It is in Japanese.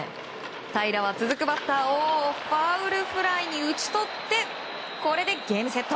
平良は続くバッターをファウルフライに打ち取ってこれでゲームセット。